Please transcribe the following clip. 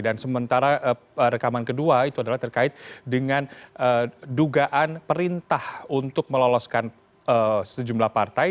dan sementara rekaman kedua itu adalah terkait dengan dugaan perintah untuk meloloskan sejumlah partai